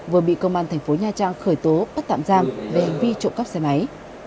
vừa bị công an thành phố nha trang khởi tố bắt tạm giam về hành vi trộm cắp xe máy